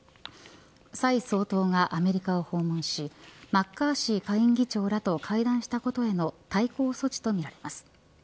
蔡総統がアメリカを訪問しマッカーシー下院議長らと会談したことへの対抗措置とみられます。